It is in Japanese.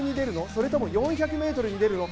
それとも４００ｍに出るの？